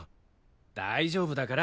大丈夫だから。